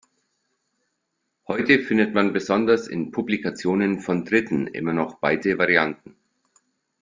Heute findet man besonders in Publikationen von Dritten immer noch beide Varianten.